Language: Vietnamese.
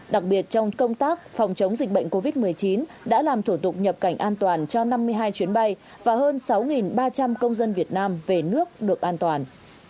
đặc biệt trong công tác phòng chống dịch bệnh covid một mươi chín đã làm thủ tục nhập cảnh an toàn cho năm mươi hai chuyến bay và hơn sáu ba trăm linh công dân việt nam về nước được an toàn